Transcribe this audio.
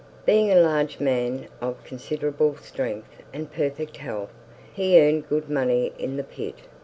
Being a large man of considerable strength and perfect health, he earned good money in the pit.